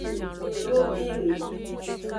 Yubili.